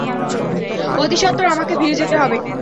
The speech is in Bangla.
অতি সত্বর আমাকে ফিরে যেতে হবে।